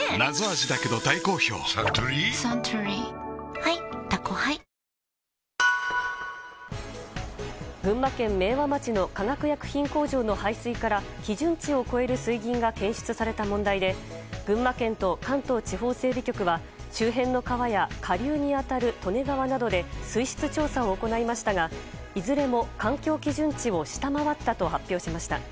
ハイ「タコハイ」群馬県明和町の化学薬品工場の排水から基準値を超える水銀が検出された問題で群馬県と関東地方整備局は周辺の川や下流に当たる利根川などで水質調査を行いましたがいずれも環境基準値を下回ったと発表しました。